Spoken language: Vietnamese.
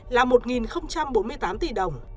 là một trăm năm mươi tám tỷ đồng